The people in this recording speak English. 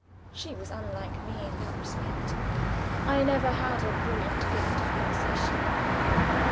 She was unlike me in that respect. I never had a brilliant gift of conversation.